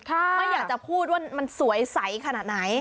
ไม่อยากจะพูดว่ามันสวยใสขนาดไหน